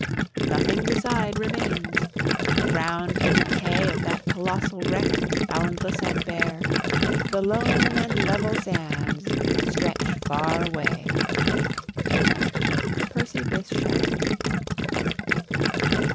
Nothing beside remains. Round the decay Of that colossal wreck, boundless and bare, The lone and level sands stretch far away;" PERCY BYSSHE SHELLEY.